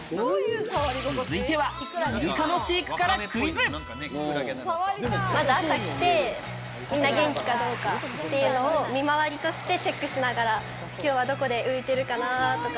続いては、イルカの飼育からまず朝来て、みんな元気かどうかというのを見回りとしてチェックしながら、きょうはどこで浮いてるかなとか。